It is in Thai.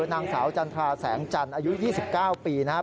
นางสาวจันทราแสงจันทร์อายุ๒๙ปีนะครับ